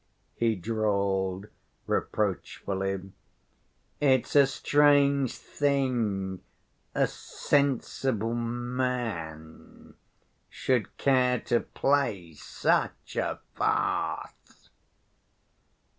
he drawled reproachfully. "It's a strange thing a sensible man should care to play such a farce!"